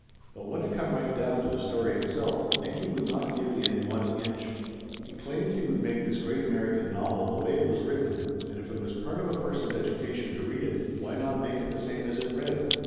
But when it come right down to the story itself, Nicky* would not give in one inch. He claimed he would make this great American novel the way it was written, and if it was part of a person's education to read it, why not make it the same as it read?